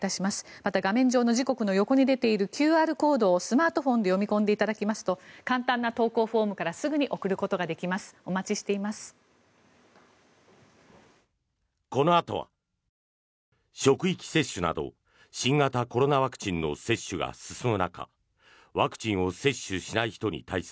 また画面上の時刻の横に出ているＱＲコードをスマートフォンで読み込んでいただきますと簡単な投稿フォームからすぐに送ることができます。